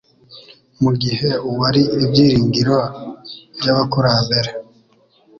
mu gihe uwari Ibyiringiro by’abakurambere,